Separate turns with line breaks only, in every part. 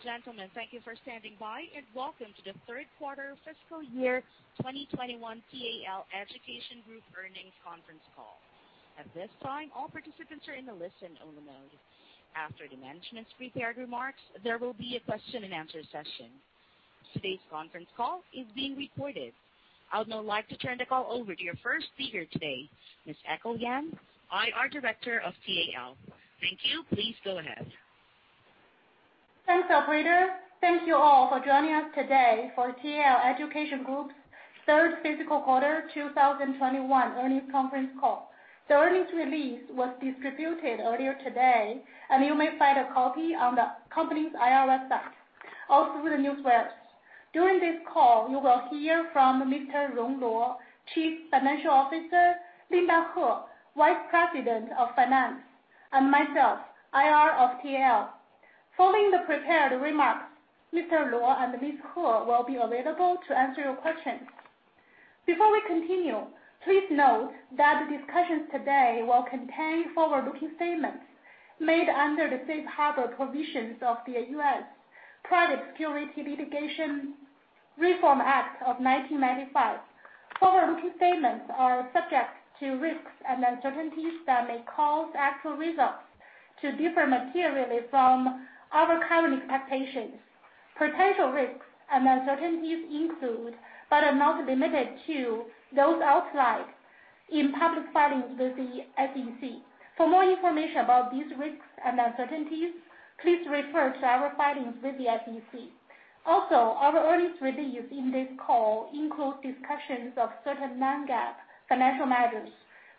Ladies and gentlemen, thank you for standing by, and welcome to the third quarter fiscal year 2021 TAL Education Group earnings conference call. At this time, all participants are in a listen-only mode. After the management's prepared remarks, there will be a question and answer session. Today's conference call is being recorded. I would now like to turn the call over to your first speaker today, Ms. Echo Yan, IR Director of TAL. Thank you. Please go ahead.
Thanks, operator. Thank you all for joining us today for TAL Education Group's third fiscal quarter 2021 earnings conference call. The earnings release was distributed earlier today, and you may find a copy on the company's IR site or through the news wires. During this call, you will hear from Mr. Rong Luo, Chief Financial Officer, Linda Huo, Vice President of Finance, and myself, IR of TAL. Following the prepared remarks, Mr. Luo and Ms. Huo will be available to answer your questions. Before we continue, please note that the discussions today will contain forward-looking statements made under the safe harbor provisions of the U.S. Private Securities Litigation Reform Act of 1995. Forward-looking statements are subject to risks and uncertainties that may cause actual results to differ materially from our current expectations. Potential risks and uncertainties include, but are not limited to, those outlined in public filings with the SEC. For more information about these risks and uncertainties, please refer to our filings with the SEC. Also, our earnings release in this call includes discussions of certain non-GAAP financial measures.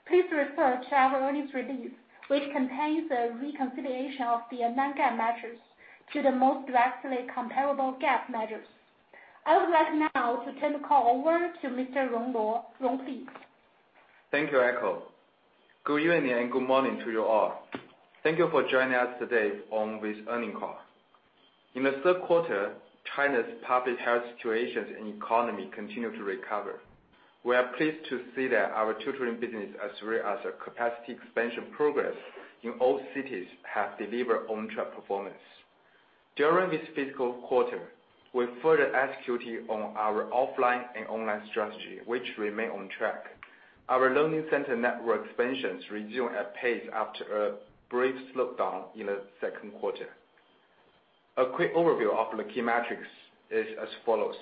Please refer to our earnings release, which contains a reconciliation of the non-GAAP measures to the most directly comparable GAAP measures. I would like now to turn the call over to Mr. Rong Luo. Rong, please.
Thank you, Echo. Good evening and good morning to you all. Thank you for joining us today on this earnings call. In the third quarter, China's public health situations and economy continued to recover. We are pleased to see that our tutoring business, as well as the capacity expansion progress in all cities, have delivered on-track performance. During this fiscal quarter, we further executed on our offline and online strategy, which remain on track. Our learning center network expansions resumed at pace after a brief slowdown in the second quarter. A quick overview of the key metrics is as follows.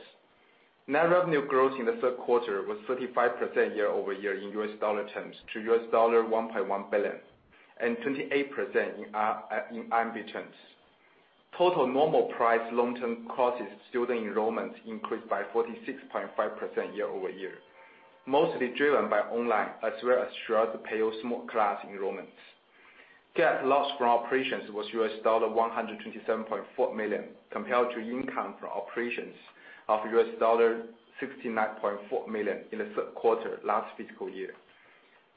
Net revenue growth in the third quarter was 35% year-over-year in U.S. dollar terms to $1.1 billion, and 28% in RMB terms. Total normal price long-term courses student enrollments increased by 46.5% year-over-year, mostly driven by online as well as Xueersi Peiyou Small Class enrollments. GAAP loss from operations was $127.4 million compared to income from operations of $69.4 million in the third quarter last fiscal year.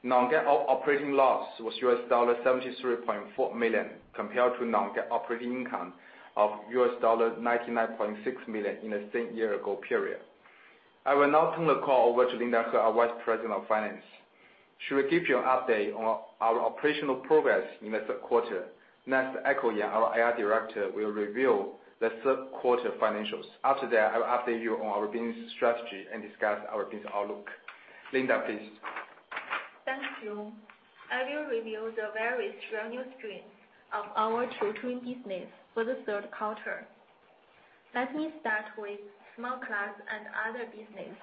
Non-GAAP operating loss was $73.4 million compared to non-GAAP operating income of $99.6 million in the same year ago period. I will now turn the call over to Linda Huo, our Vice President of Finance. She will give you an update on our operational progress in the third quarter. Next, Echo Yan, our IR Director, will reveal the third quarter financials. After that, I will update you on our business strategy and discuss our business outlook. Linda, please.
Thank you. I will review the various revenue streams of our tutoring business for the third quarter. Let me start with small class and other business,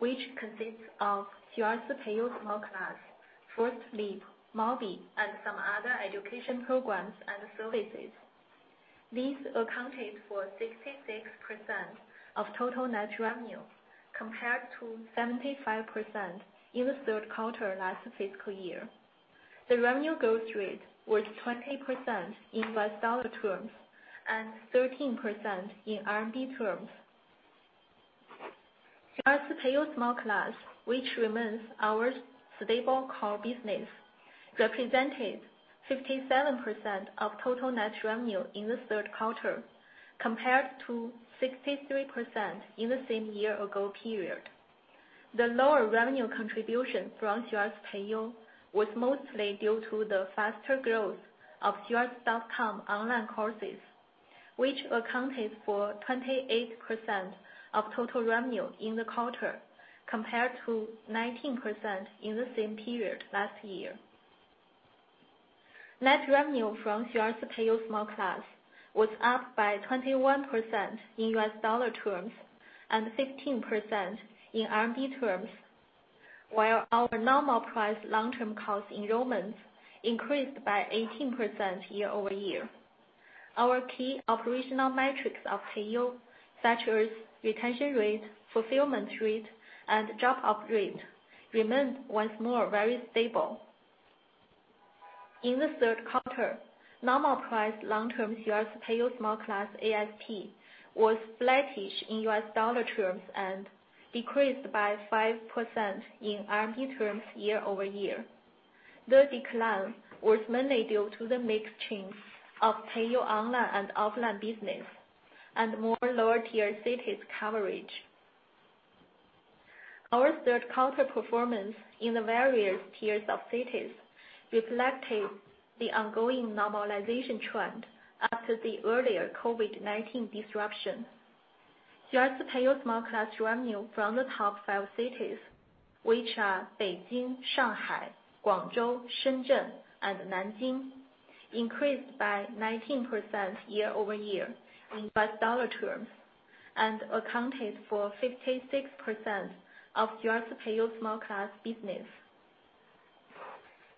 which consists of Xueersi Peiyou Small Class, First Leap, Mobby, and some other education programs and services. These accounted for 66% of total net revenue, compared to 75% in the third quarter last fiscal year. The revenue growth rate was 20% in U.S. dollar terms and 13% in RMB terms. Xueersi Peiyou Small Class, which remains our stable core business, represented 57% of total net revenue in the third quarter, compared to 63% in the same year ago period. The lower revenue contribution from Xueersi Peiyou was mostly due to the faster growth of xueersi.com online courses, which accounted for 28% of total revenue in the quarter, compared to 19% in the same period last year. Net revenue from Xueersi Peiyou small class was up by 21% in $ terms and 15% in CNY terms. Our normal price long-term course enrollments increased by 18% year-over-year. Our key operational metrics of Peiyou, such as retention rate, fulfillment rate, and drop-off rate, remained once more very stable. In the third quarter, normal price long-term Xueersi Peiyou small class ASP was flattish in U.S. Dollar terms and decreased by 5% in CNY terms year-over-year. The decline was mainly due to the mix change of Peiyou online and offline business and more lower-tier cities coverage. Our third quarter performance in the various tiers of cities reflected the ongoing normalization trend after the earlier COVID-19 disruption. Peiyou Small Class revenue from the top five cities, which are Beijing, Shanghai, Guangzhou, Shenzhen, and Nanjing, increased by 19% year-over-year in $ terms, and accounted for 56% of Peiyou Small Class business.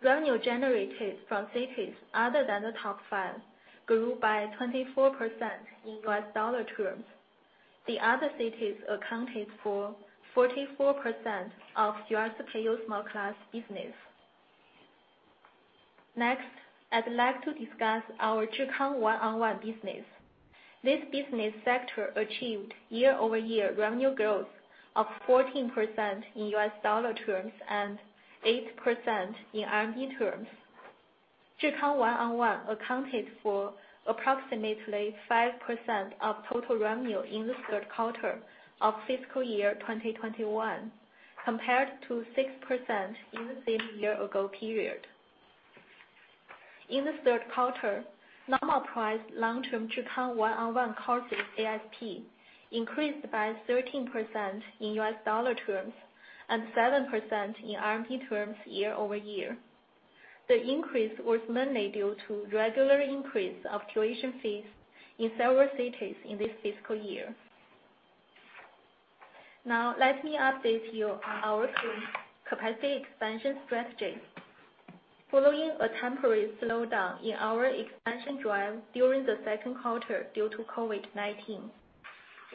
Revenue generated from cities other than the top five grew by 24% in $ terms. The other cities accounted for 44% of Peiyou Small Class business. Next, I'd like to discuss our Zhikang One-on-One business. This business sector achieved year-over-year revenue growth of 14% in $ terms and 8% in CNY terms. Zhikang One-on-One accounted for approximately 5% of total revenue in the third quarter of fiscal year 2021, compared to 6% in the same year-ago period. In the third quarter, normal price long-term Zhikang One-on-One courses ASP increased by 13% in $ terms and 7% in CNY terms year-over-year. The increase was mainly due to regular increase of tuition fees in several cities in this fiscal year. Let me update you on our current capacity expansion strategy. Following a temporary slowdown in our expansion drive during the second quarter due to COVID-19,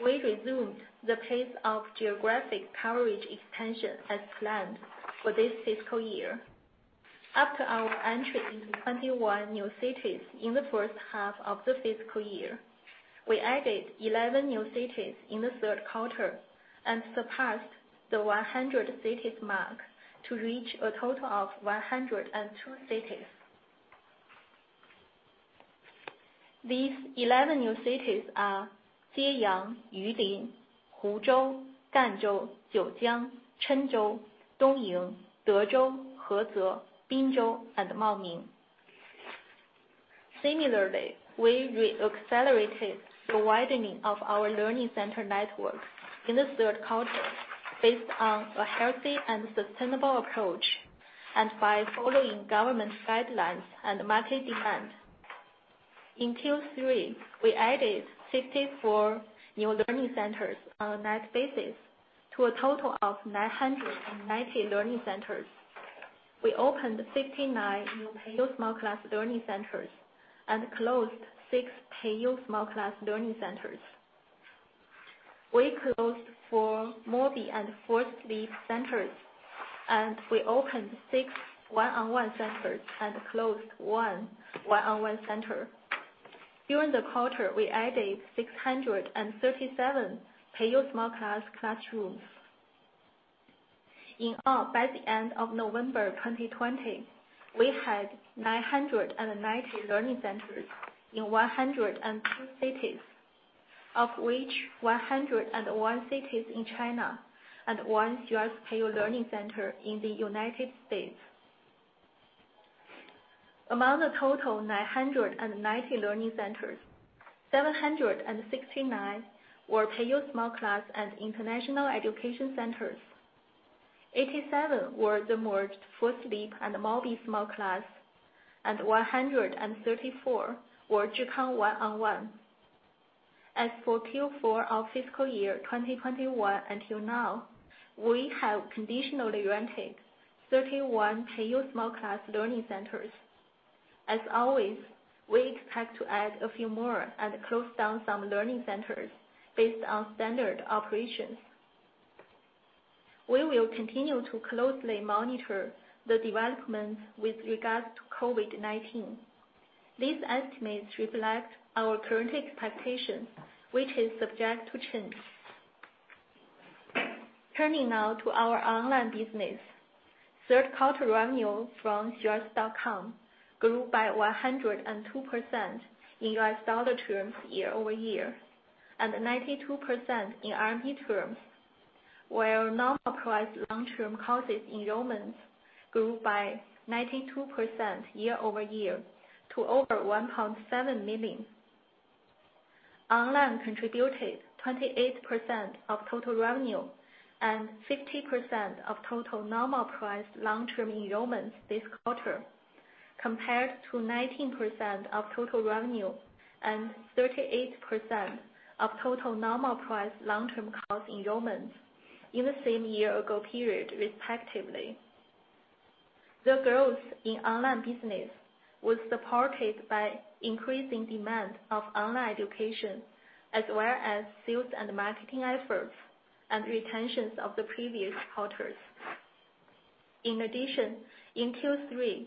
we resumed the pace of geographic coverage expansion as planned for this fiscal year. After our entry into 21 new cities in the first half of the fiscal year, we added 11 new cities in the third quarter, and surpassed the 100 cities mark to reach a total of 102 cities. These 11 new cities are Guiyang, Yulin, Huzhou, Ganzhou, Jiujiang, Zhengzhou, Dongying, Dezhou, Heze, Binzhou and Maoming. Similarly, we re-accelerated the widening of our learning center network in the third quarter based on a healthy and sustainable approach, by following government guidelines and market demand. In Q3, we added 64 new learning centers on a net basis to a total of 990 learning centers. We opened 59 new Peiyou Small Class learning centers and closed six Peiyou Small Class learning centers. We closed four Mobby and First Leap centers, we opened six One-on-One centers and closed one One-on-One Center. During the quarter, we added 637 Peiyou Small Class classrooms. In all, by the end of November 2020, we had 990 learning centers in 102 cities, of which 101 cities in China and one Peiyou learning center in the U.S. Among the total 990 learning centers, 769 were Peiyou Small Class and international education centers. 87 were the merged First Leap and Mobby Small Class, 134 were Zhikang One-on-One. As for Q4 of fiscal year 2021 until now, we have conditionally rented 31 Peiyou Small Class learning centers. As always, we expect to add a few more and close down some learning centers based on standard operations. We will continue to closely monitor the developments with regards to COVID-19. These estimates reflect our current expectation, which is subject to change. Turning now to our online business. Third quarter revenue from xueersi.com grew by 102% in U.S. Dollar terms year-over-year, and 92% in CNY terms, while normal-price long-term courses enrollments grew by 92% year-over-year to over 1.7 million. Online contributed 28% of total revenue and 50% of total normal-price long-term enrollments this quarter, compared to 19% of total revenue and 38% of total normal-price long-term course enrollments in the same year-ago period, respectively. The growth in online business was supported by increasing demand of online education, as well as sales and marketing efforts, and retentions of the previous quarters. In Q3,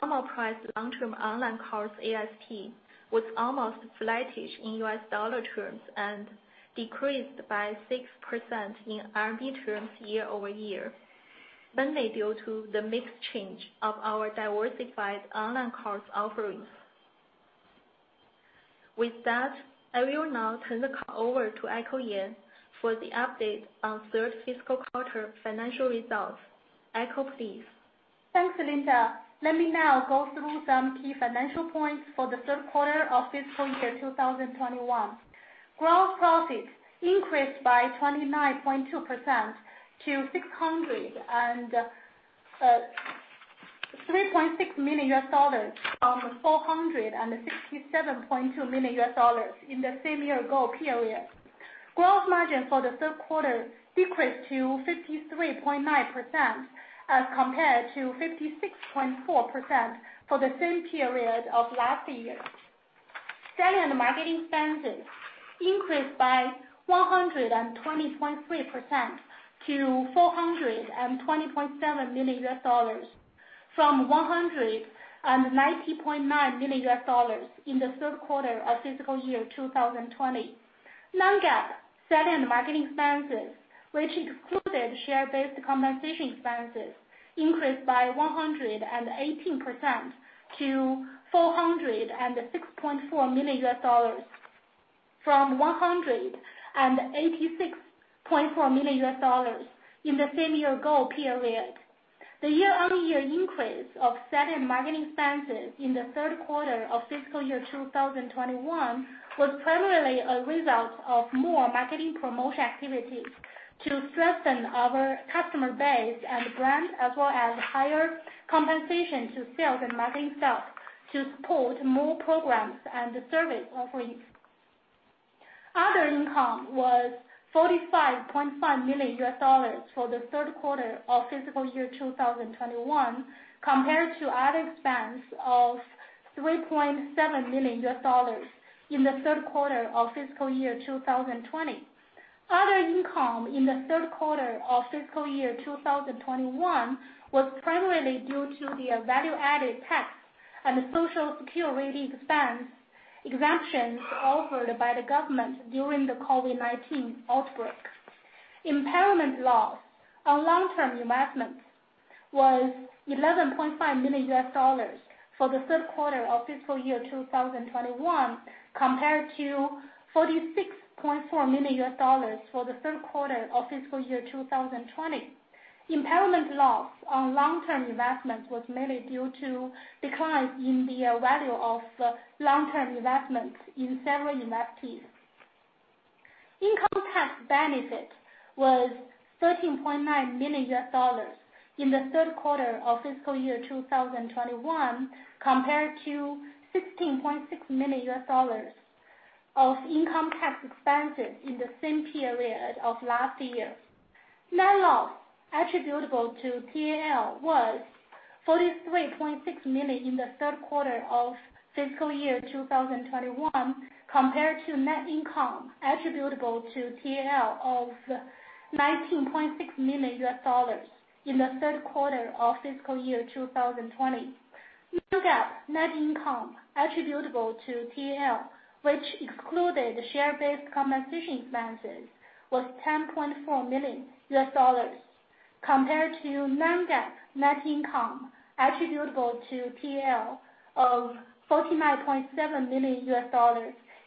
normal price long-term online course ASP was almost flattish in $ terms and decreased by 6% in RMB terms year-over-year, mainly due to the mix change of our diversified online course offerings. With that, I will now turn the call over to Echo Yan for the update on third fiscal quarter financial results. Echo, please.
Thanks, Linda. Let me now go through some key financial points for the third quarter of fiscal year 2021. Gross profits increased by 29.2% to $603.6 million from $467.2 million in the same year-ago period. Gross margin for the third quarter decreased to 53.9% as compared to 56.4% for the same period of last year. Selling and marketing expenses increased by 120.3% to $420.7 million from $190.9 million in the third quarter of fiscal year 2020. Non-GAAP selling and marketing expenses, which excluded share-based compensation expenses, increased by 118% to $406.4 million from $186.4 million in the same year-ago period. The year-over-year increase of selling marketing expenses in the third quarter of fiscal year 2021 was primarily a result of more marketing promotion activities to strengthen our customer base and brand, as well as higher compensation to sales and marketing staff to support more programs and service offerings. Other income was $45.5 million for the third quarter of fiscal year 2021 compared to other expense of $3.7 million in the third quarter of fiscal year 2020. Other income in the third quarter of fiscal year 2021 was primarily due to the value-added tax and social security expense exemptions offered by the government during the COVID-19 outbreak. Impairment loss on long-term investments was $11.5 million for the third quarter of fiscal year 2021 compared to $46.4 million for the third quarter of fiscal year 2020. Impairment loss on long-term investments was mainly due to a decline in the value of long-term investments in several investees. Income tax benefit was $13.9 million in the third quarter of fiscal year 2021 compared to $16.6 million of income tax expenses in the same period of last year. Net loss attributable to TAL was $43.6 million in the third quarter of fiscal year 2021 compared to net income attributable to TAL of $19.6 million in the third quarter of fiscal year 2020. Non-GAAP net income attributable to TAL, which excluded share-based compensation expenses, was $10.4 million compared to non-GAAP net income attributable to TAL of $49.7 million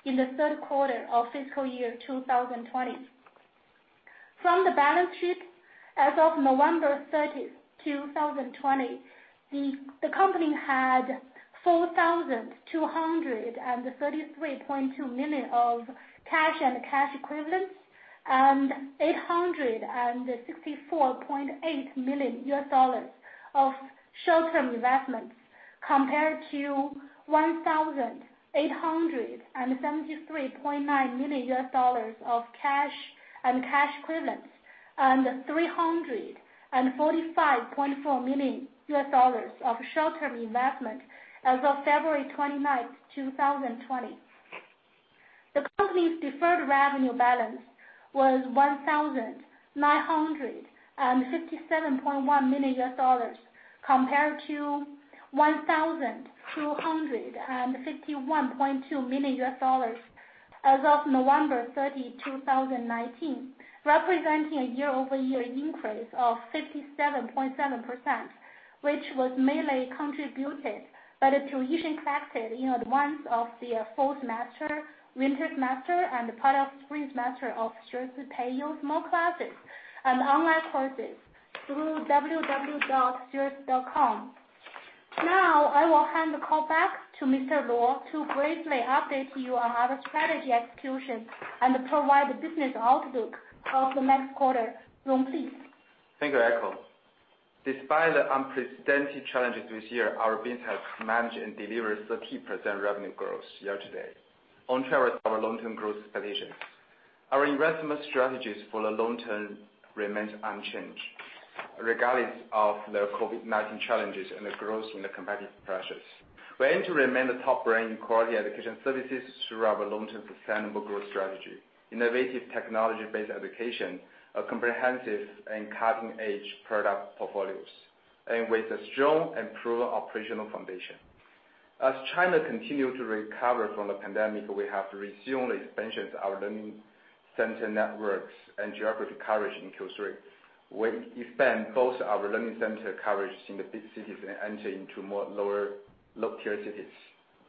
in the third quarter of fiscal year 2020. From the balance sheet, as of November 30th, 2020, the company had $4,233.2 million of cash and cash equivalents and $864.8 million of short-term investments compared to $1,873.9 million of cash and cash equivalents and $345.4 million of short-term investments as of February 29th, 2020. The company's deferred revenue balance was $1,957.1 million compared to $1,251.2 million as of November 30th, 2019, representing a year-over-year increase of 57.7%, which was mainly contributed by the tuition collected in advance of the fall semester, winter semester, and part of spring semester of Xueersi Peiyou's small classes and online courses through www.xueersi.com. Now, I will hand the call back to Mr. Luo to briefly update you on our strategy execution and provide the business outlook of the next quarter. Rong, please.
Thank you, Echo. Despite the unprecedented challenges this year, our business has managed and delivered 13% revenue growth year to date, on track with our long-term growth positions. Our investment strategies for the long term remain unchanged regardless of the COVID-19 challenges and the growth from the competitive pressures. We aim to remain the top brand in quality education services through our long-term sustainable growth strategy, innovative technology-based education, a comprehensive and cutting-edge product portfolios, and with a strong and proven operational foundation. As China continue to recover from the pandemic, we have resumed the expansion of our learning center networks and geographic coverage in Q3. We expand both our learning center coverage in the big cities and enter into more lower-tier cities.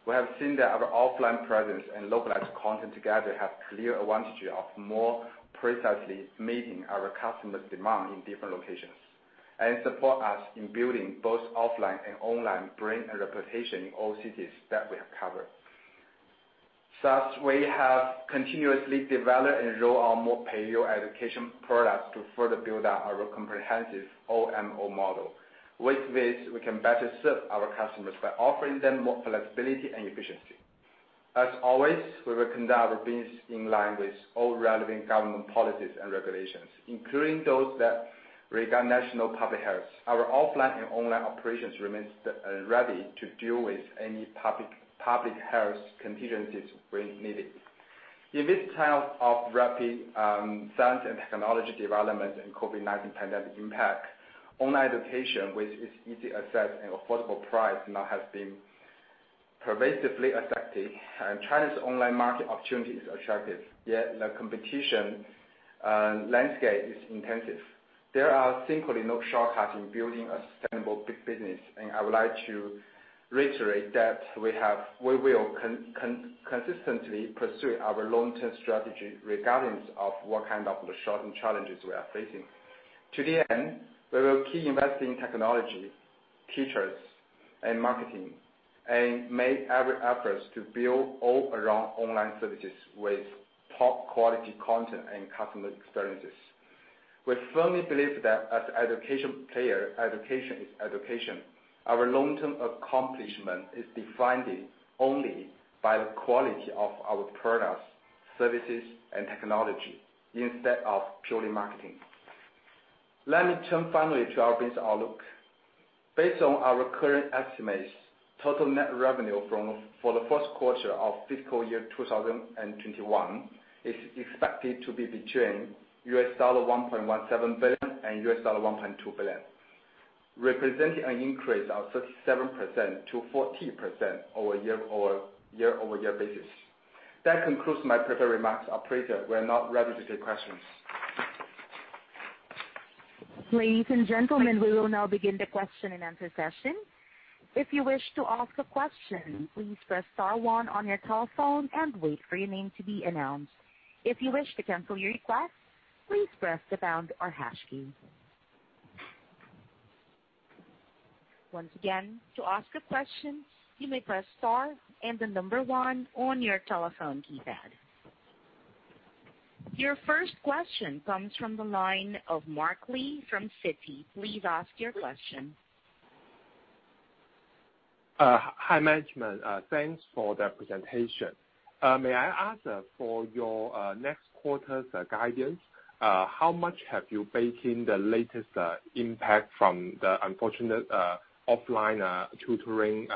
We have seen that our offline presence and localized content together have clear advantage of more precisely meeting our customers' demand in different locations and support us in building both offline and online brand and reputation in all cities that we have covered. Thus, we have continuously developed and rolled out more Peiyou education products to further build out our comprehensive OMO model. With this, we can better serve our customers by offering them more flexibility and efficiency. As always, we will conduct our business in line with all relevant government policies and regulations, including those that regard national public health. Our offline and online operations remains ready to deal with any public health contingencies when needed. In this time of rapid science and technology development and COVID-19 pandemic impact, online education, with its easy access and affordable price, now has been pervasively adopted, and China's online market opportunity is attractive. The competition landscape is intensive. There are simply no shortcuts in building a sustainable big business. I would like to reiterate that we will consistently pursue our long-term strategy regardless of what kind of short-term challenges we are facing. To the end, we will keep investing in technology, teachers, and marketing, and make every effort to build all-around online services with top-quality content and customer experiences. We firmly believe that as education player, education is education. Our long-term accomplishment is defined only by the quality of our products, services, and technology instead of purely marketing. Let me turn finally to our business outlook. Based on our current estimates, total net revenue for the fourth quarter of fiscal year 2021 is expected to be between $1.17 billion-$1.2 billion, representing an increase of 37% to 40% over a year-over-year basis. That concludes my prepared remarks. Operator, we are now ready to take questions.
Ladies and gentlemen, we will now begin the question-and-answer session. If you wish to ask a question, please press star one on your telephone and wait for your name to be announced. If you wish to cancel your request, please press the pound or hash key. Once again, to ask a question, you may press star and the number one on your telephone keypad. Your first question comes from the line of Mark Li from Citi. Please ask your question.
Hi, management. Thanks for the presentation. May I ask for your next quarter's guidance, how much have you baked in the latest impact from the unfortunate offline tutoring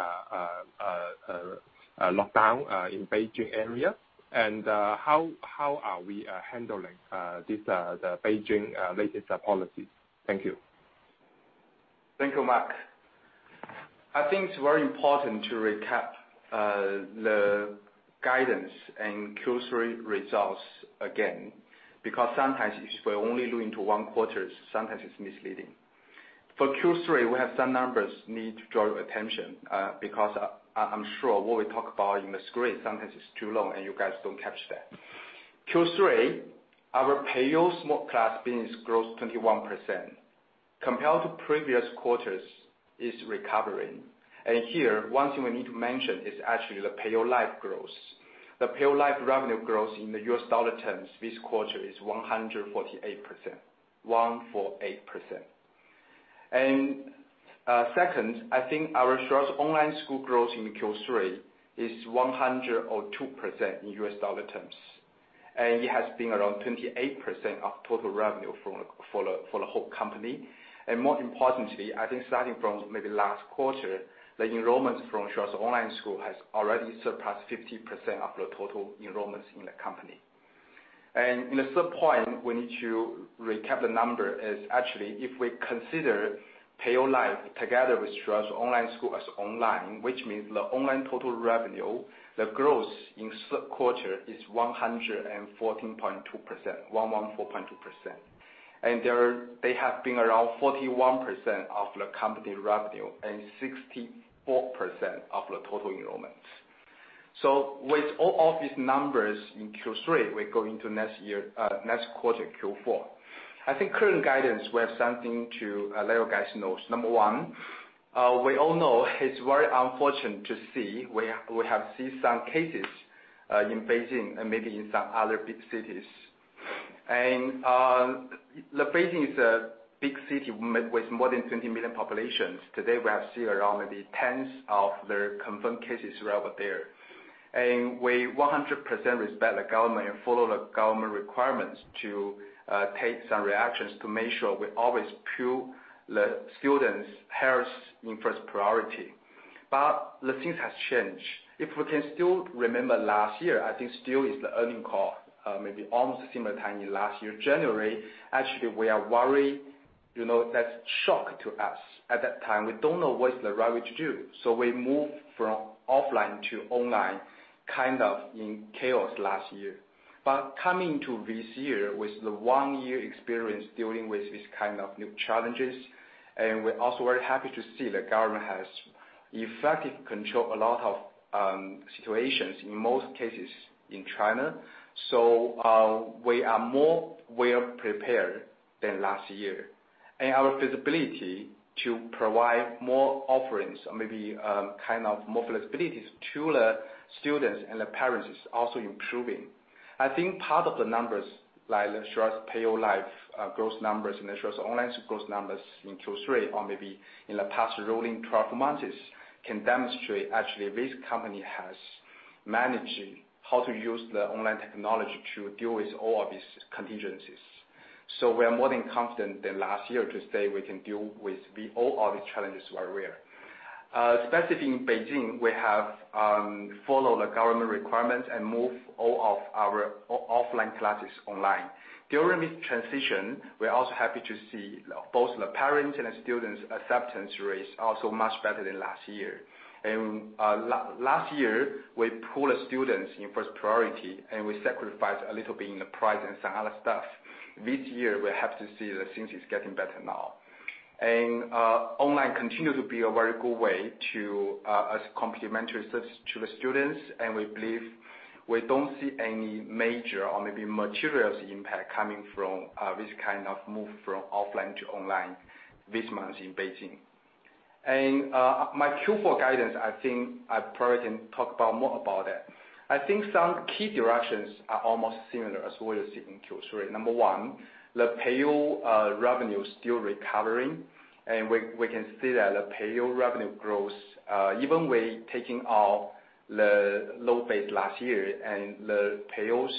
lockdown in Beijing area, and how are we handling the Beijing latest policies? Thank you.
Thank you, Mark. I think it's very important to recap the guidance and Q3 results again, because sometimes if we're only doing into one quarter, sometimes it's misleading. For Q3, we have some numbers need to draw your attention, because I'm sure what we talk about in the screen sometimes is too long and you guys don't catch that. Q3, our Peiyou Small Class business grows 21%. Compared to previous quarters, it's recovering. Here, one thing we need to mention is actually the Peiyou Live growth. The Peiyou Live revenue growth in the U.S. dollar terms this quarter is 148%, 148%. Second, I think our Xueersi Online School growth in Q3 is 102% in U.S. dollar terms, and it has been around 28% of total revenue for the whole company. More importantly, I think starting from maybe last quarter, the enrollments from Xueersi Online School has already surpassed 50% of the total enrollments in the company. In the third point, we need to recap the number is actually if we consider Peiyou Live together with Xueersi Online School as online, which means the online total revenue, the growth in this quarter is 114.2%, 114.2%. They have been around 41% of the company revenue and 64% of the total enrollments. With all of these numbers in Q3, we're going to next quarter Q4. I think current guidance, we have something to let you guys know. Number one, we all know it's very unfortunate to see, we have seen some cases in Beijing and maybe in some other big cities. Beijing is a big city with more than 20 million populations. Today, we have seen around maybe tens of the confirmed cases over there. We 100% respect the government and follow the government requirements to take some reactions to make sure we always put the students' health in first priority. The things have changed. If we can still remember last year, I think still it's the earnings call, maybe almost similar time in last year, January, actually, we are worried. That's shock to us. At that time, we don't know what's the right way to do, so we moved from offline to online. Kind of in chaos last year. Coming to this year with the one-year experience dealing with these kind of new challenges, we're also very happy to see the government has effective control a lot of situations, in most cases, in China. We are more well-prepared than last year, and our visibility to provide more offerings or maybe kind of more flexibilities to the students and the parents is also improving. I think part of the numbers, like the Peiyou Live growth numbers and the Xueersi Online School growth numbers in Q3, or maybe in the past rolling 12 months, can demonstrate actually this company has managed how to use the online technology to deal with all of these contingencies. We are more than confident than last year to say we can deal with all of the challenges well. Specifically in Beijing, we have followed the government requirements and moved all of our offline classes online. During this transition, we're also happy to see both the parents' and the students' acceptance rates are also much better than last year. Last year, we put the students in first priority, and we sacrificed a little bit in the price and some other stuff. This year, we're happy to see that things are getting better now. Online continues to be a very good way to as complementary service to the students, and we believe we don't see any major or maybe material impact coming from this kind of move from offline to online this month in Beijing. My Q4 guidance, I think I probably can talk more about that. I think some key directions are almost similar as what you see in Q3. Number one, the Peiyou revenue is still recovering, and we can see that the Peiyou revenue growth, even with taking out the low base last year and the Peiyou's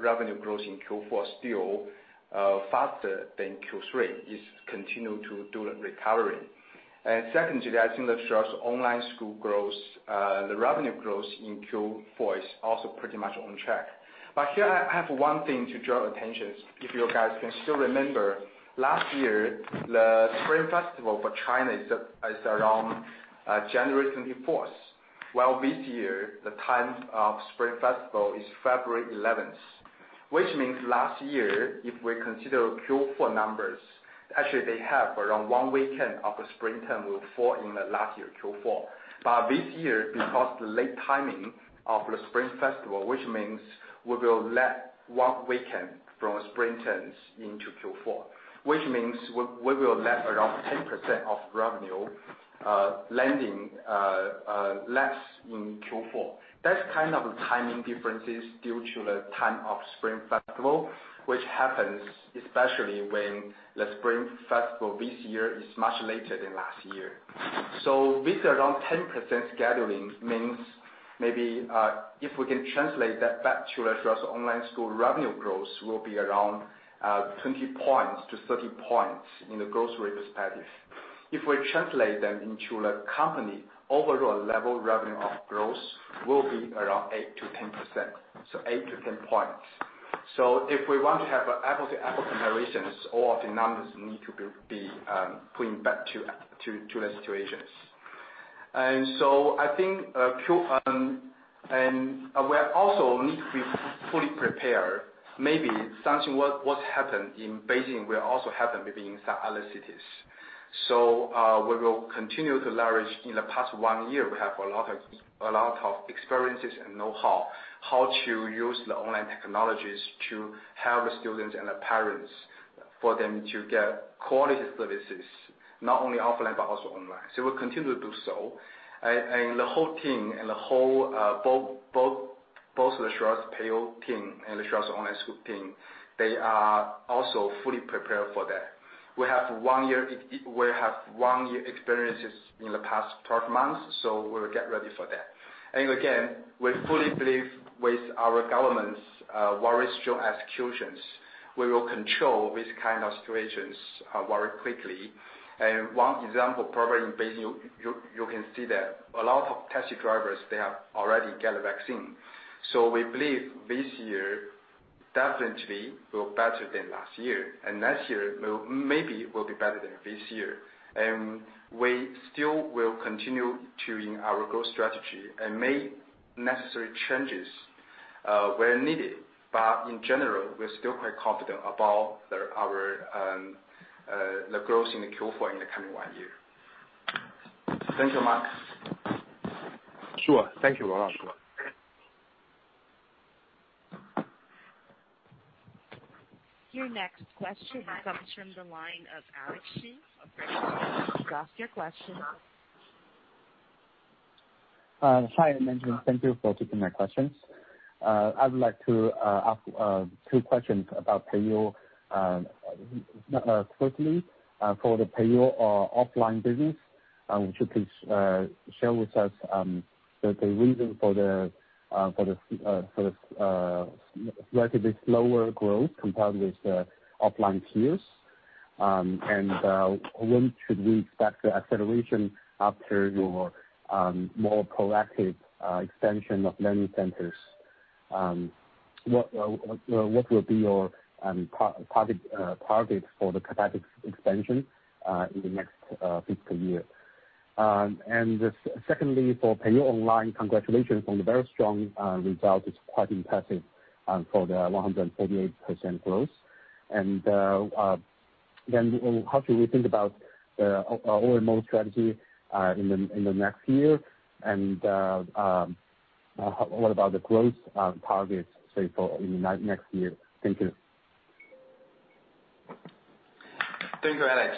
revenue growth in Q4 is still faster than Q3, it's continued to do the recovery. Secondly, I think the Xueersi Online School growth, the revenue growth in Q4 is also pretty much on track. Here I have one thing to draw attention. If you guys can still remember, last year, the Spring Festival for China is around January 24th, while this year, the time of Spring Festival is February 11th. Means last year, if we consider Q4 numbers, actually they have around one weekend of spring term will fall in the last year, Q4. This year, because the late timing of the Spring Festival, which means we will let one weekend from spring terms into Q4, which means we will let around 10% of revenue landing less in Q4. That's kind of the timing differences due to the time of Spring Festival, which happens especially when the Spring Festival this year is much later than last year. This around 10% scheduling means maybe if we can translate that back to the Xueersi Online School revenue growth will be around 20-30 points in the growth rate perspective. If we translate them into the company overall level revenue of growth will be around 8%-10%. 8-10 points. If we want to have an apple-to-apple comparisons, all the numbers need to be put back to the situations. We also need to be fully prepared, maybe something what happened in Beijing will also happen maybe in some other cities. We will continue to leverage. In the past one year, we have a lot of experiences and know-how, how to use the online technologies to help the students and the parents, for them to get quality services, not only offline but also online. We'll continue to do so. The whole team and both the Xueersi Peiyou team and the Xueersi Online School team, they are also fully prepared for that. We have one year experiences in the past 12 months, so we'll get ready for that. Again, we fully believe with our government's very strong executions, we will control this kind of situations very quickly. One example, probably in Beijing, you can see that a lot of taxi drivers, they have already got the vaccine. We believe this year definitely will be better than last year, and next year maybe will be better than this year. We still will continue tuning our growth strategy and make necessary changes where needed. In general, we're still quite confident about the growth in the Q4 in the coming one year. Thank you, Mark.
Sure. Thank you very much.
Your next question comes from the line of Alex Xie of Credit Suisse.
Hi. Thank you for taking my questions. I would like to ask two questions about Peiyou. Quickly, for the Peiyou offline business, if you could share with us the reason for the relatively slower growth compared with the offline peers, when should we expect the acceleration after your more proactive expansion of learning centers? What will be your target for the CapEx expansion in the next fiscal year? Secondly, for Peiyou Online, congratulations on the very strong result. It's quite impressive for the 148% growth. How should we think about the OMO strategy in the next year, what about the growth targets, say, for in next year? Thank you.
Thank you, Alex.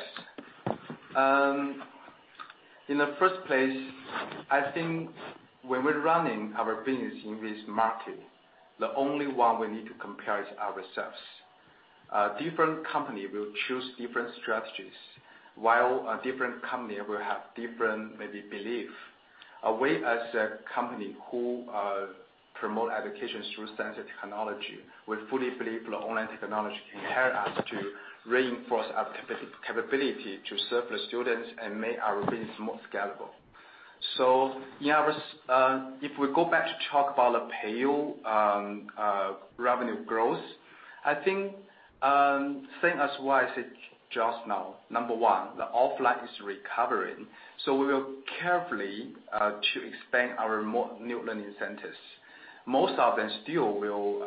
In the first place, I think when we're running our business in this market, the only one we need to compare is ourselves. A different company will choose different strategies, while a different company will have different maybe belief. We, as a company who promote education through scientific technology, we fully believe the online technology can help us to reinforce our capability to serve the students and make our business more scalable. If we go back to talk about the Peiyou revenue growth, I think same as what I said just now, number 1, the offline is recovering. We will carefully to expand our new learning centers. Most of them still will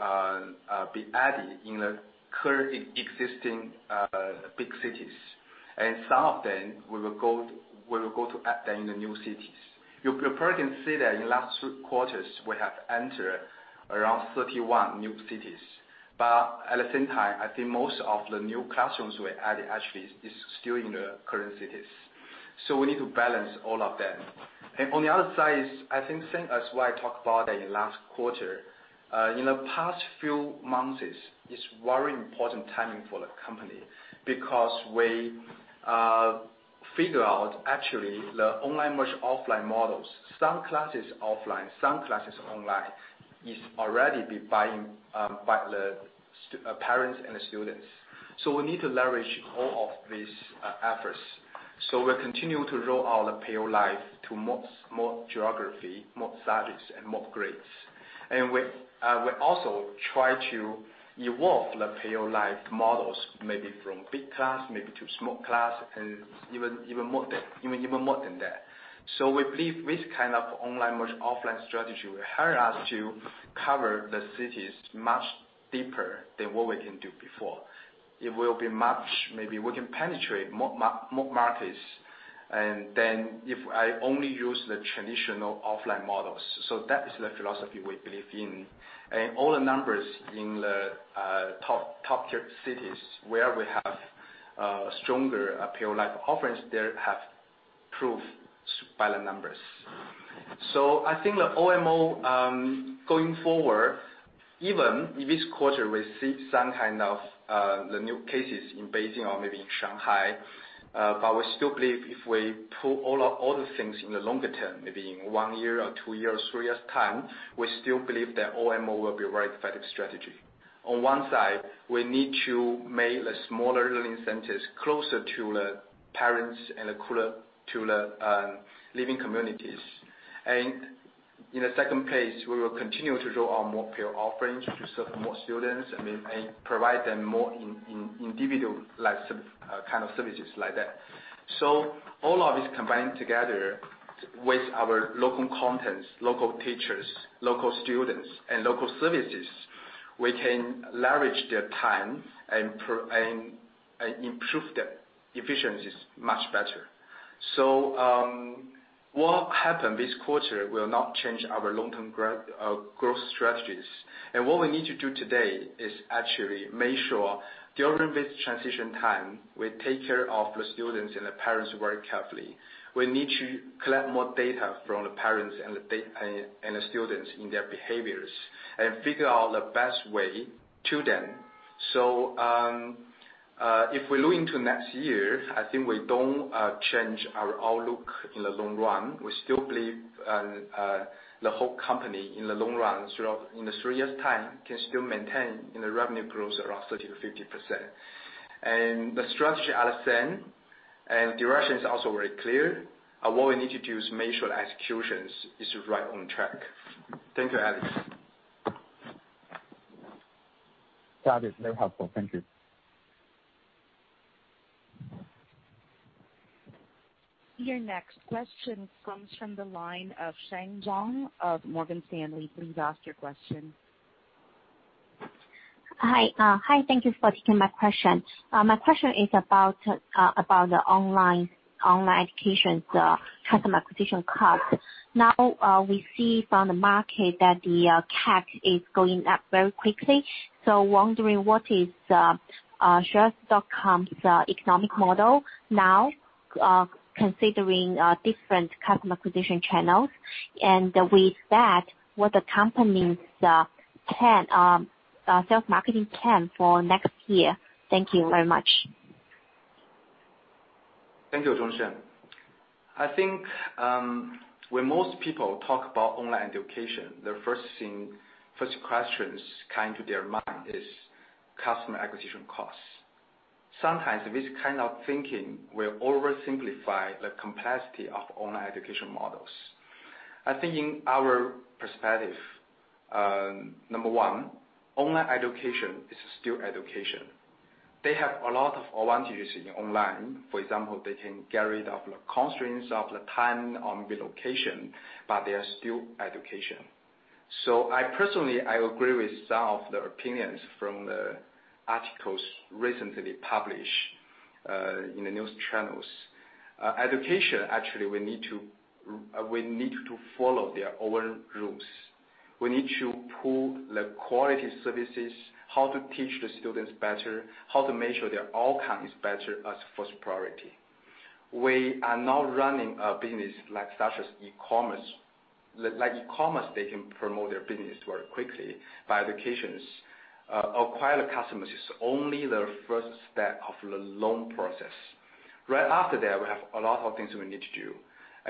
be added in the current existing big cities. Some of them we will go to add them in the new cities. You probably can see that in last two quarters, we have entered around 31 new cities. At the same time, I think most of the new classrooms we added actually is still in the current cities. We need to balance all of them. On the other side is, I think same as what I talked about in last quarter. In the past few months, is very important timing for the company because we figure out actually the online merge offline models, some classes offline, some classes online, is already be buying by the parents and the students. We need to leverage all of these efforts. We're continuing to roll out Peiyou Live to more geography, more subjects, and more grades. We also try to evolve the Peiyou Live models, maybe from big class maybe to small class, and even more than that. We believe this kind of online merge offline strategy will help us to cover the cities much deeper than what we can do before. Maybe we can penetrate more markets than if I only use the traditional offline models. That is the philosophy we believe in. All the numbers in the top tier cities where we have stronger Peiyou Live offerings there have proved by the numbers. I think the OMO, going forward, even if this quarter we see some kind of the new cases in Beijing or maybe in Shanghai, we still believe if we pull all the things in the longer term, maybe in one year or two years, three years' time, we still believe that OMO will be a very effective strategy. On one side, we need to make the smaller learning centers closer to the parents and closer to the living communities. In the second place, we will continue to roll out more Peiyou offerings to serve more students and provide them more individual kind of services like that. All of this combined together with our local contents, local teachers, local students and local services, we can leverage their time and improve their efficiencies much better. What happened this quarter will not change our long-term growth strategies. What we need to do today is actually make sure during this transition time, we take care of the students and the parents very carefully. We need to collect more data from the parents and the students in their behaviors and figure out the best way to them. If we look into next year, I think we don't change our outlook in the long run. We still believe the whole company in the long run, in the three years' time, can still maintain in the revenue growth around 30%-50%. The strategy are the same. Direction is also very clear. What we need to do is make sure the execution is right on track. Thank you, Alex.
Got it. Very helpful. Thank you.
Your next question comes from the line of Sheng Zhong of Morgan Stanley. Please ask your question.
Hi, thank you for taking my question. My question is about the online education, the customer acquisition cost. Now, we see from the market that the CAC is going up very quickly. Wondering what is TAL's economic model now, considering different customer acquisition channels, and with that, what the company's sales marketing plan for next year. Thank you very much.
Thank you, Sheng Zhong. I think when most people talk about online education, the first questions coming to their mind is customer acquisition costs. Sometimes this kind of thinking will oversimplify the complexity of online education models. I think in our perspective, number one, online education is still education. They have a lot of advantages in online. For example, they can get rid of the constraints of the time and the location, but they are still education. Personally, I agree with some of the opinions from the articles recently published in the news channels. Education, actually, we need to follow their own rules. We need to pull the quality services, how to teach the students better, how to make sure their outcome is better as first priority. We are not running a business like such as e-commerce. Like e-commerce, they can promote their business very quickly. Education, acquire the customers is only the first step of the long process. Right after that, we have a lot of things we need to do.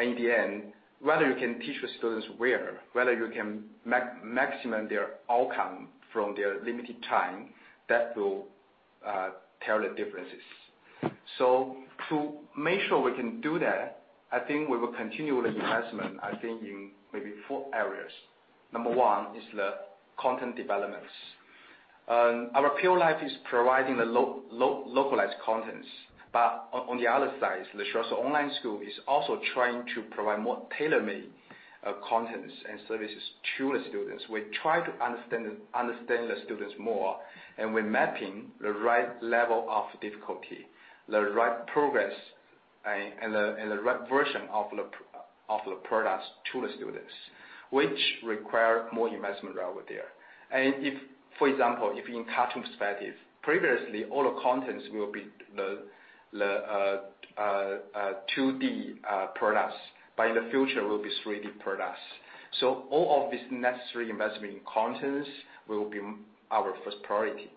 In the end, whether you can teach the students well, whether you can maximize their outcome from their limited time, that will tell the differences. To make sure we can do that, I think we will continue the investment, I think in maybe 4 areas. Number 1 is the content developments. Our Peiyou Live is providing the localized contents. On the other side, the Xueersi Online School is also trying to provide more tailor-made contents and services to the students. We try to understand the students more, and we're mapping the right level of difficulty, the right progress, and the right version of the products to the students, which require more investment over there. If, for example, if in cartoon perspective, previously, all the contents will be the 2D products, but in the future will be 3D products. All of this necessary investment in contents will be our first priority.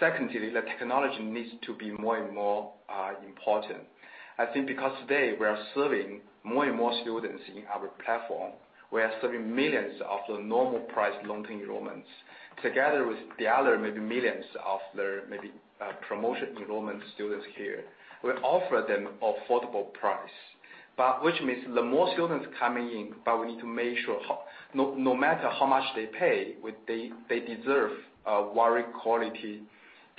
Secondly, the technology needs to be more and more important. I think because today we are serving more and more students in our platform. We are serving millions of the normal price long-term enrollments, together with the other maybe millions of their maybe promotion enrollment students here. We offer them affordable price, but which means the more students coming in, but we need to make sure no matter how much they pay, they deserve a very quality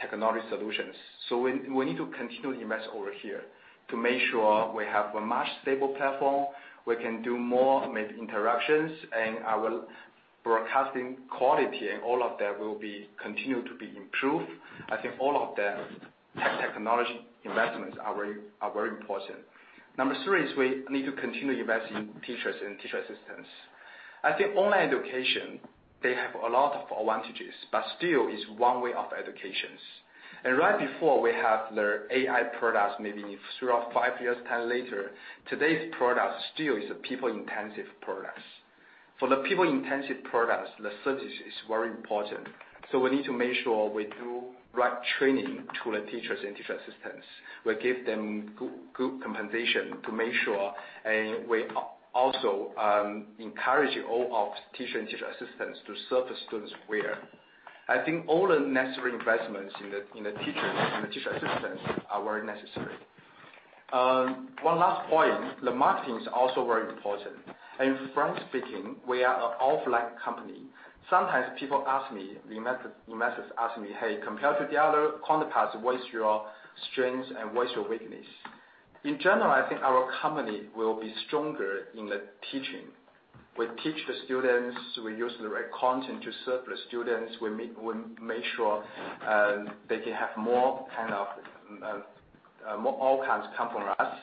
technology solutions. We need to continue to invest over here to make sure we have a much stable platform, we can do more maybe interactions, and our broadcasting quality and all of that will be continued to be improved. I think all of the technology investments are very important. Number 3 is we need to continue investing in teachers and teacher assistants. I think online education, they have a lot of advantages, but still is one way of education. Right before we have the AI products, maybe throughout five years' time later, today's product still is a people-intensive product. For the people-intensive products, the service is very important. We need to make sure we do right training to the teachers and teacher assistants. We give them good compensation to make sure, and we also encourage all of teacher and teacher assistants to serve the students well. I think all the necessary investments in the teachers and the teacher assistants are very necessary. One last point, the marketing is also very important. In frank-speaking, we are an offline company. Sometimes people ask me, investors ask me, Hey, compared to the other counterparts, what's your strength and what's your weakness? In general, I think our company will be stronger in the teaching. We teach the students, we use the right content to serve the students. We make sure they can have more outcomes come from us.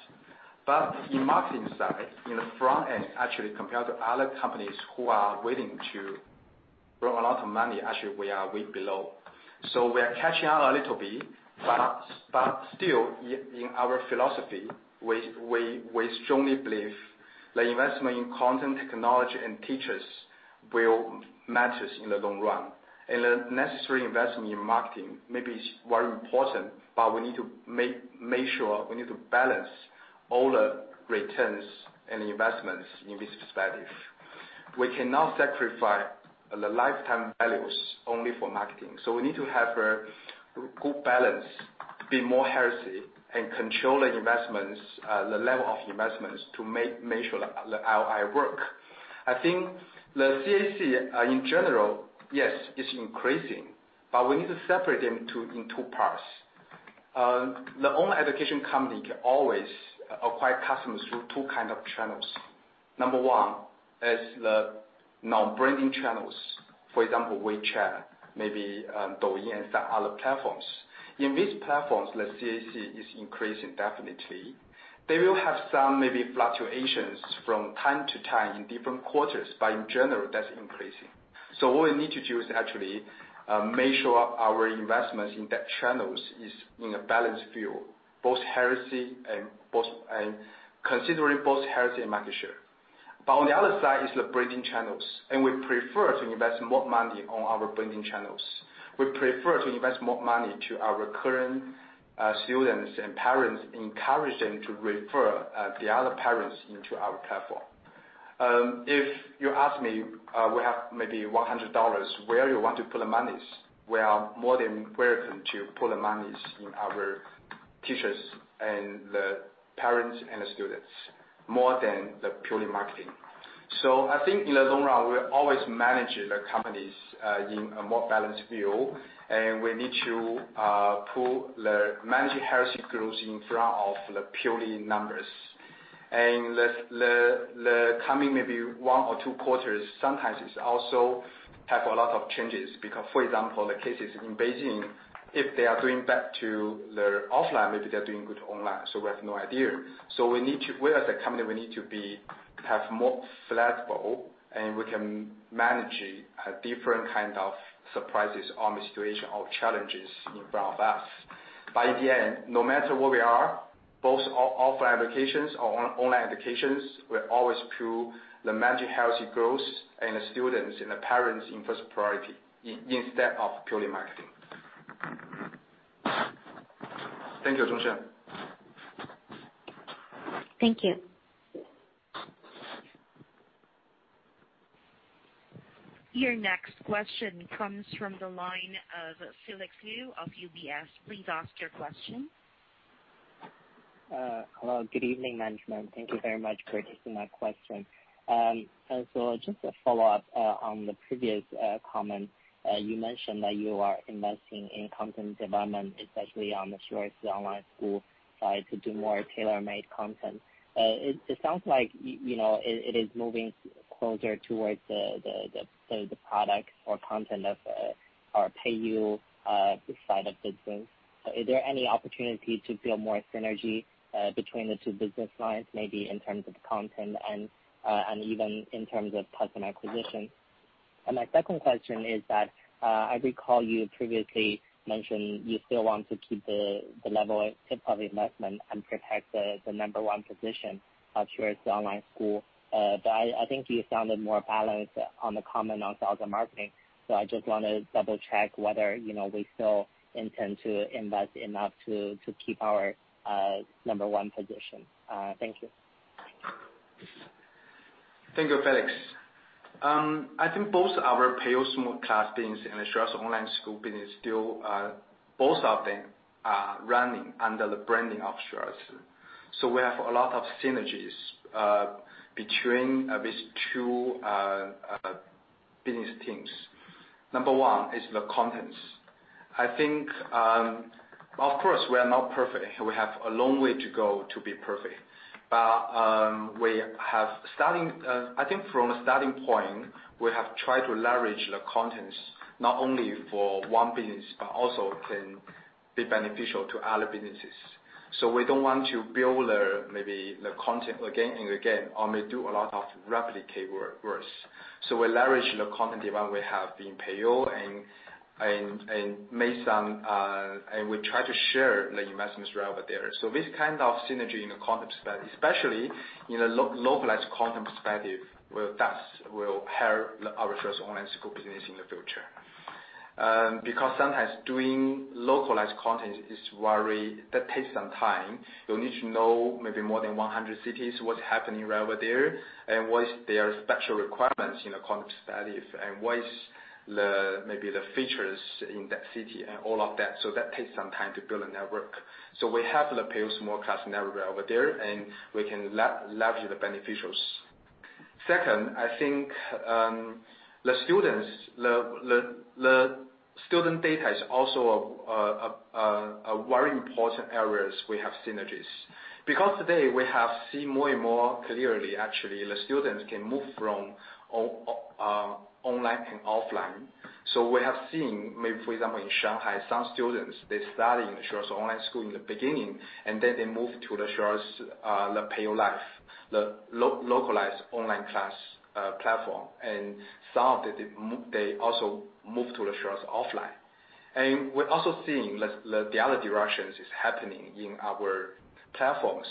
In marketing side, in the front end, actually, compared to other companies who are waiting to burn a lot of money, actually, we are way below. We are catching up a little bit, but still, in our philosophy, we strongly believe the investment in content technology and teachers will matter in the long run. The necessary investment in marketing maybe is very important, but we need to make sure we need to balance all the returns and investments in this perspective. We cannot sacrifice the lifetime values only for marketing. We need to have a good balance to be more healthy and control the level of investments to make sure the ROI work. I think the CAC in general, yes, it's increasing, but we need to separate them in two parts. The online education company can always acquire customers through 2 kind of channels. Number 1 is the non-branding channels. For example, WeChat, maybe Douyin, and some other platforms. In these platforms, let's see, CAC is increasing definitely. They will have some maybe fluctuations from time to time in different quarters, but in general, that's increasing. What we need to do is actually measure our investments in that channels is in a balanced view, considering both healthy and market share. On the other side is the branding channels, and we prefer to invest more money on our branding channels. We prefer to invest more money to our current students and parents, encourage them to refer the other parents into our platform. If you ask me, we have maybe $100, where you want to put the monies? We are more than welcome to put the monies in our teachers and the parents and the students, more than the purely marketing. I think in the long run, we always manage the companies in a more balanced view, and we need to put the managing healthy growth in front of the purely numbers. The coming maybe one or two quarters sometimes also have a lot of changes because, for example, the cases in Beijing, if they are going back to their offline, maybe they are doing good online, we have no idea. We as a company, we need to be more flexible, and we can manage different kind of surprises or situation or challenges in front of us. In the end, no matter where we are, both our offline educations, our online educations, we always put the managing healthy growth and the students and the parents in first priority instead of purely marketing. Thank you, Zhong Sheng.
Thank you.
Your next question comes from the line of Felix Liu of UBS. Please ask your question.
Hello, good evening, management. Thank you very much for taking my question. Just a follow-up on the previous comment. You mentioned that you are investing in content development, especially on the Xueersi Online School side to do more tailor-made content. It sounds like it is moving closer towards the product or content of our Peiyou side of business. Is there any opportunity to build more synergy between the two business lines, maybe in terms of content and even in terms of customer acquisition? My second question is that I recall you previously mentioned you still want to keep the level of investment and protect the number 1 position of Xueersi Online School. I think you sounded more balanced on the comment on sales and marketing. I just want to double-check whether we still intend to invest enough to keep our number 1 position. Thank you.
Thank you, Felix. I think both our Peiyou Small Class business and the Xueersi Online School business, still both of them are running under the branding of Xueersi. We have a lot of synergies between these two business teams. Number one is the contents. Of course, we are not perfect. We have a long way to go to be perfect. I think from the starting point, we have tried to leverage the contents not only for one business, but also can be beneficial to other businesses. We don't want to build maybe the content again and again, or may do a lot of replicate works. We leverage the content development we have in Peiyou, and we try to share the investments over there. This kind of synergy in the content study, especially in the localized content perspective, that will help our Xueersi Online School business in the future. Sometimes doing localized content takes some time. You need to know maybe more than 100 cities, what's happening over there, and what is their special requirements in the content studies, and what is maybe the features in that city and all of that. That takes some time to build a network. We have the Peiyou Small Class network over there, and we can leverage the benefits. Second, I think the student data is also a very important area we have synergies. Today we have seen more and more clearly, actually, the students can move from online and offline. We have seen, maybe, for example, in Shanghai, some students, they study in the Xueersi Online School in the beginning, and then they move to the Xueersi, the Peiyou Live, the localized online class platform. Some, they also move to the Xueersi offline. We're also seeing the other directions is happening in our platforms.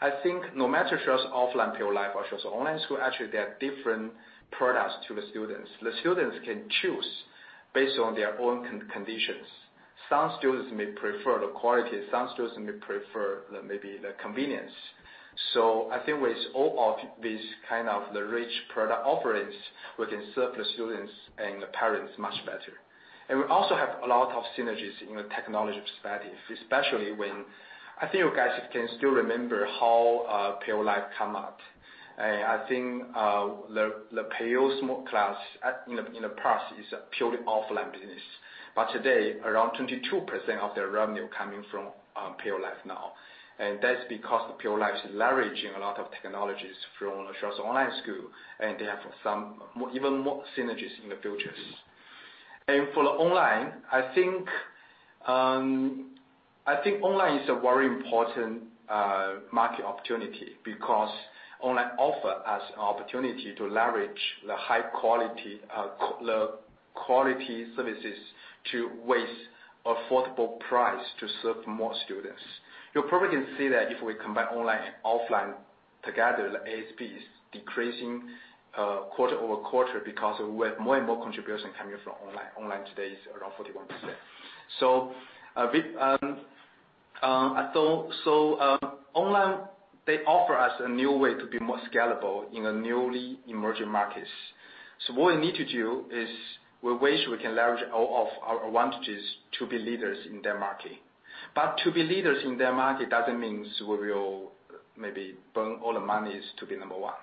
I think no matter Xueersi offline Peiyou Live or Xueersi Online School, actually, they are different products to the students. The students can choose based on their own conditions. Some students may prefer the quality, some students may prefer maybe the convenience. I think with all of this kind of the rich product offerings, we can serve the students and the parents much better. We also have a lot of synergies in the technology perspective, especially when I think you guys can still remember how Peiyou Live come up. I think the Peiyou Small Class in the past is a purely offline business. Today, around 22% of their revenue coming from Peiyou Live now. That's because Peiyou Live is leveraging a lot of technologies from the Xueersi Online School, and they have even more synergies in the future. For the online, I think online is a very important market opportunity because online offer us an opportunity to leverage the high-quality services with affordable price to serve more students. You probably can see that if we combine online and offline together, the ASP is decreasing quarter-over-quarter because we have more and more contribution coming from online. Online today is around 41%. Online, they offer us a new way to be more scalable in newly emerging markets. What we need to do is, we wish we can leverage all of our advantages to be leaders in that market. To be leaders in that market doesn't mean we will maybe burn all the monies to be number one.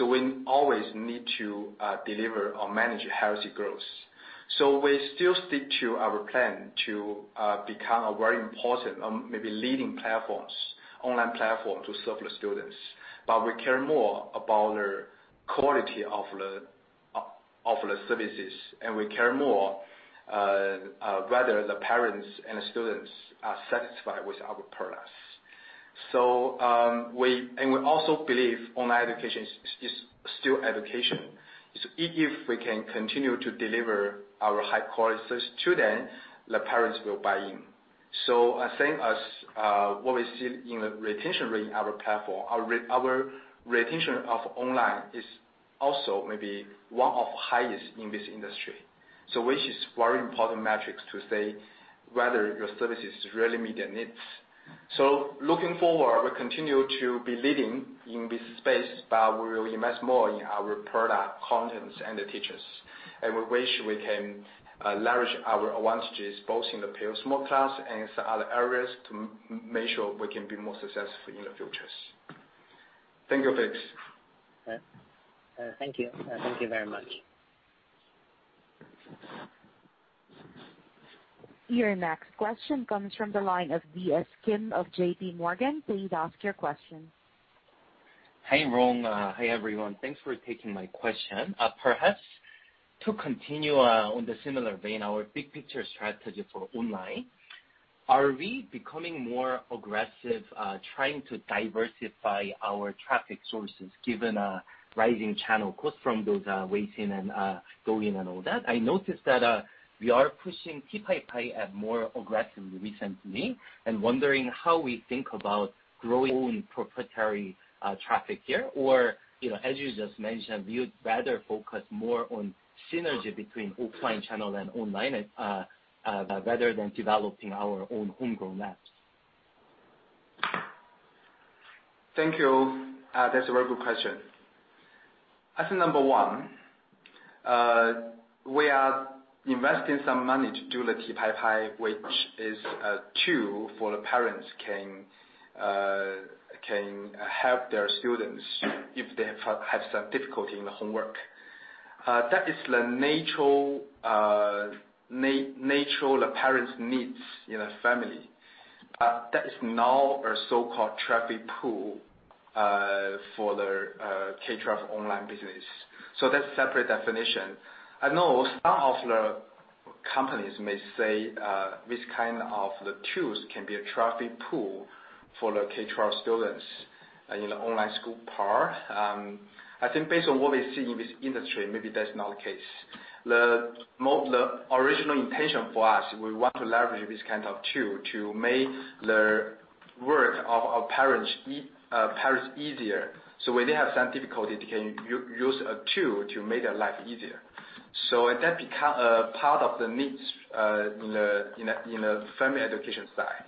We always need to deliver or manage healthy growth. We still stick to our plan to become a very important, maybe leading online platform to serve the students. We care more about the quality of the services, and we care more whether the parents and the students are satisfied with our products. We also believe online education is still education. If we can continue to deliver our high quality service to them, the parents will buy in. Same as what we see in the retention rate in our platform, our retention of online is also maybe one of the highest in this industry. Which is very important metrics to say whether your services really meet their needs. Looking forward, we continue to be leading in this space, but we will invest more in our product contents and the teachers. We wish we can leverage our advantages both in the Peiyou Small Class and other areas to make sure we can be more successful in the future. Thank you, Felix.
Thank you. Thank you very much.
Your next question comes from the line of DS Kim of JPMorgan. Please ask your question.
Hi, Rong. Hi, everyone. Thanks for taking my question. Perhaps to continue on the similar vein, our big picture strategy for online, are we becoming more aggressive trying to diversify our traffic sources given rising channel costs from those Weixin and Douyin and all that? I noticed that we are pushing Ti Pai Pai more aggressively recently, and wondering how we think about growing proprietary traffic here, or as you just mentioned, you'd rather focus more on synergy between offline channel and online, rather than developing our own homegrown apps.
Thank you. That's a very good question. As a number one, we are investing some money to do the 题拍拍, which is a tool for the parents can help their students if they have some difficulty in the homework. That is the natural parent needs in a family. That is now a so-called traffic pool for the K-12 online business. That's a separate definition. I know some of the companies may say this kind of tools can be a traffic pool for the K-12 students in the online school part. I think based on what we see in this industry, maybe that's not the case. The original intention for us, we want to leverage this kind of tool to make the work of parents easier. When they have some difficulty, they can use a tool to make their life easier. That become a part of the needs in the family education side.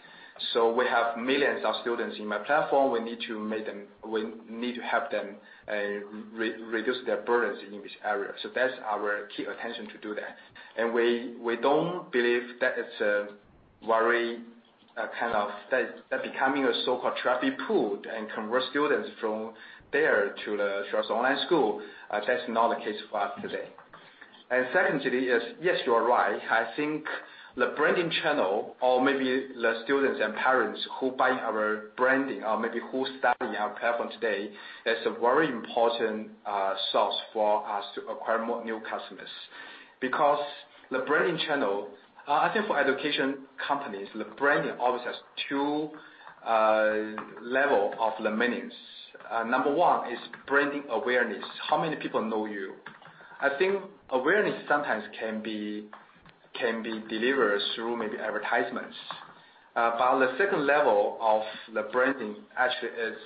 We have millions of students in my platform. We need to help them reduce their burdens in this area. That's our key attention to do that. We don't believe that it's very kind of that becoming a so-called traffic pool and convert students from there to the Xueersi Online School. That's not the case for us today. Secondly is, yes, you are right. I think the branding channel or maybe the students and parents who buy our branding or maybe who study our platform today, is a very important source for us to acquire more new customers. The branding channel, I think for education companies, the branding always has 2 level of meanings. Number 1 is branding awareness. How many people know you? I think awareness sometimes can be delivered through maybe advertisements. The second level of the branding actually is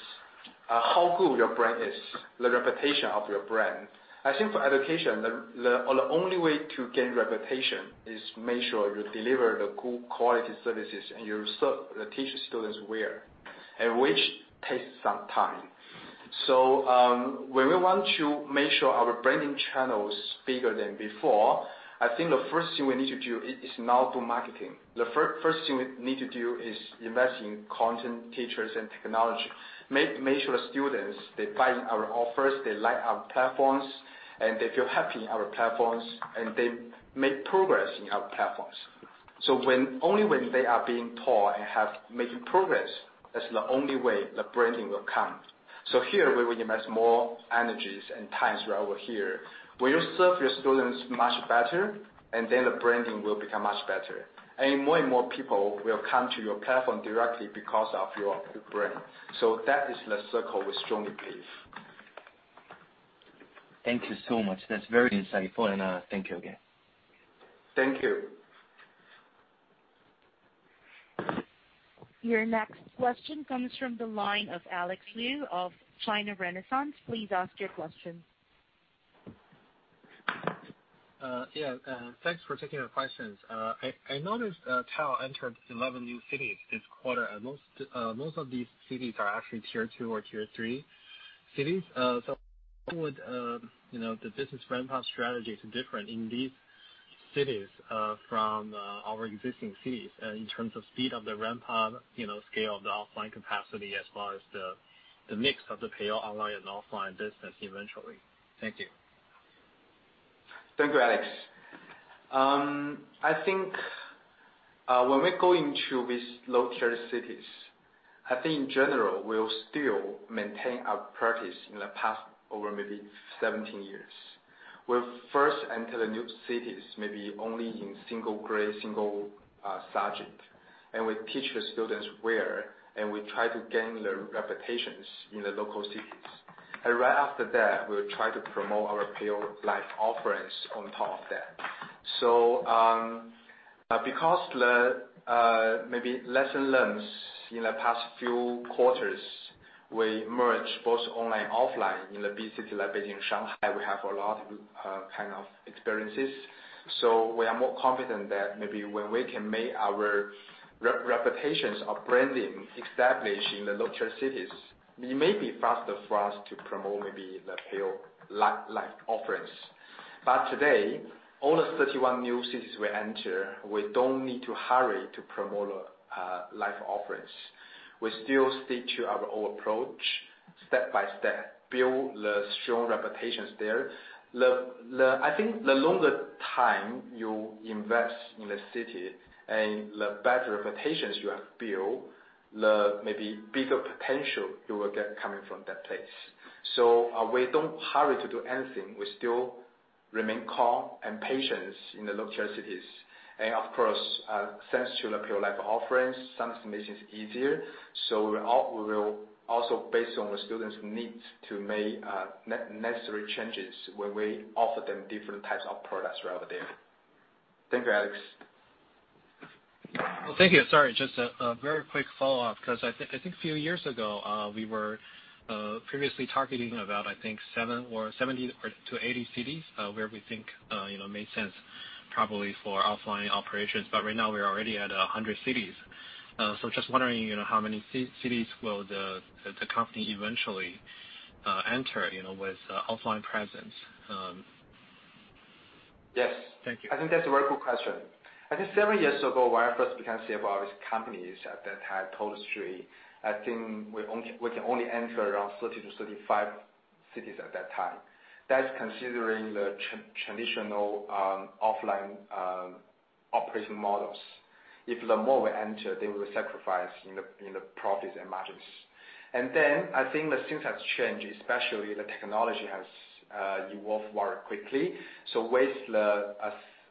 how good your brand is, the reputation of your brand. I think for education, the only way to gain reputation is make sure you deliver the good quality services and you serve the teacher, students well, and which takes some time. When we want to make sure our branding channel is bigger than before, I think the first thing we need to do is not do marketing. The first thing we need to do is invest in content teachers and technology. Make sure students, they buy our offers, they like our platforms, and they feel happy in our platforms, and they make progress in our platforms. Only when they are being taught and have made progress, that's the only way the branding will come. Here we will invest more energies and times over here. When you serve your students much better, then the branding will become much better. More and more people will come to your platform directly because of your brand. That is the circle we strongly believe.
Thank you so much. That's very insightful and thank you again.
Thank you.
Your next question comes from the line of Alex Liu of China Renaissance. Please ask your question.
Yeah. Thanks for taking the questions. I noticed TAL entered 11 new cities this quarter. Most of these cities are actually tier two or tier three cities. How would the business ramp-up strategy different in these cities from our existing cities, in terms of speed of the ramp-up, scale of the offline capacity as far as the mix of the pay online and offline business eventually? Thank you.
Thank you, Alex. I think when we go into these low-tier cities, I think in general, we'll still maintain our practice in the past over maybe 17 years. We'll first enter the new cities, maybe only in single grade, single subject, we teach the students where, we try to gain the reputations in the local cities. Right after that, we'll try to promote our Peiyou Live offerings on top of that. Because the maybe lesson learned in the past few quarters, we merged both online, offline in the big city like Beijing, Shanghai, we have a lot of experiences. We are more confident that maybe when we can make our reputations or branding established in the low-tier cities, it may be faster for us to promote maybe the Peiyou Live offerings. Today, all the 31 new cities we enter, we don't need to hurry to promote Peiyou Live offerings. We still stick to our old approach, step by step, build the strong reputations there. I think the longer time you invest in the city and the better reputations you have built, the maybe bigger potential you will get coming from that place. We don't hurry to do anything. We still remain calm and patient in the low-tier cities. Of course, thanks to the Peiyou Live offerings, some estimation is easier. We will also, based on the students' needs, to make necessary changes where we offer them different types of products relevant there. Thank you, Alex.
Well, thank you. Sorry, just a very quick follow-up, because I think a few years ago, we were previously targeting about, I think, 70-80 cities, where we think made sense probably for offline operations. Right now, we're already at 100 cities. Just wondering, how many cities will the company eventually enter with offline presence?
Yes. I think that's a very good question. I think several years ago, when I first became CFO of this company at that time I think we can only enter around 30-35 cities at that time. That's considering the traditional offline operation models. If the more we enter, they will sacrifice in the profits and margins. I think the things has changed, especially the technology has evolved very quickly. With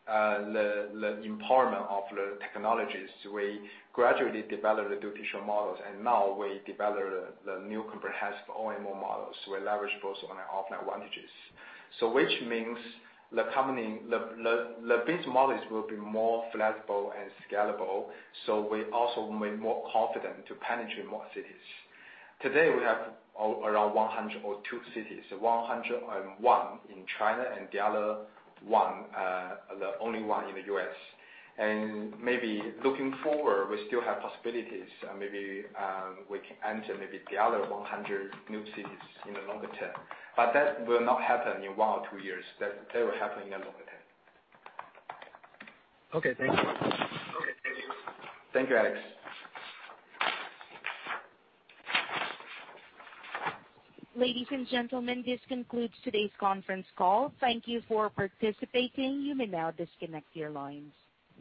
the empowerment of the technologies, we gradually developed the dual-teacher models, and now we develop the new comprehensive OMO models. We leverage both on and offline advantages. Which means the business models will be more flexible and scalable, so we also be more confident to penetrate more cities. Today we have around 102 cities, 101 in China and the other one, the only one in the U.S. Maybe looking forward, we still have possibilities. Maybe we can enter the other 100 new cities in the longer term. That will not happen in one or two years. That will happen in the longer term.
Okay, thank you.
Okay, thank you. Thank you, Alex.
Ladies and gentlemen, this concludes today's conference call. Thank you for participating. You may now disconnect your lines.